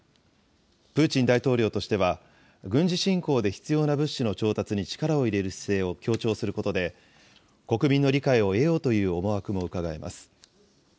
プーチン大統領としては、軍事侵攻で必要な物資の調達に力を入れる姿勢を強調することで、国民の理解を得ようという思惑もうかがえます。